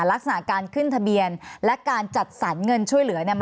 ลักษณะการขึ้นทะเบียนและการจัดสรรเงินช่วยเหลือเนี่ย